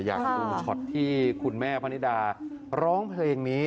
อยากดูช็อตที่คุณแม่พนิดาร้องเพลงนี้